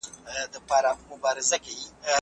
موږ له کلونو راهيسې د نويو طريقو د کارولو هڅه کوله.